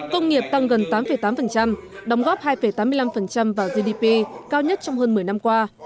công nghiệp tăng gần tám tám đóng góp hai tám mươi năm vào gdp cao nhất trong hơn một mươi năm qua